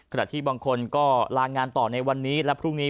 ที่บางคนก็ลางานต่อในวันนี้และพรุ่งนี้